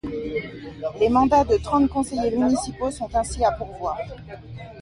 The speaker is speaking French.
Les mandats de trente conseillers municipaux sont ainsi à pourvoir.